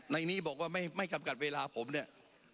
ในนี้บอกว่าไม่จำกัดเวลาผมเนี่ย